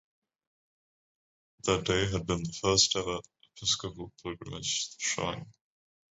That day had been the first ever episcopal pilgrimage to the shrine.